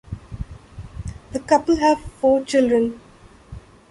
The couple have four children.